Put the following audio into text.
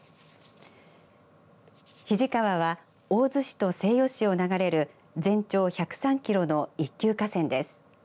肱川は大洲市と西予市を流れる全長１０３キロの１級河川です。